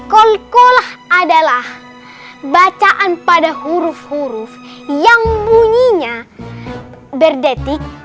kolkolah adalah bacaan pada huruf huruf yang bunyinya berdetik